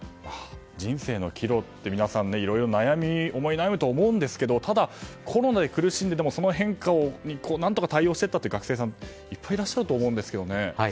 人生の岐路って皆さんいろいろ思い悩むと思うんですがただ、コロナで苦しんでもその変化に何とか対応した学生さんもいっぱいいらっしゃると思うんですよね。